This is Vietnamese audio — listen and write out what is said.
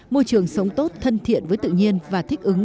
môi trường sống tốt thân thiện với tự nhiên và thích ứng